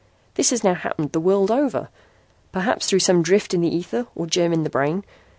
This has now happened the world over, perhaps through some drift in the ether or germ in the brain.